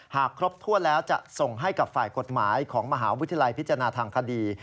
หากครบถ้วนแล้วจะส่งให้กับฝ่ายกฎหมายของมหาวิทยาลัยพิจารณาทางคดี